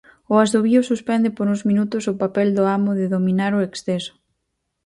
O asubío suspende por uns minutos o papel do Amo de dominar o exceso.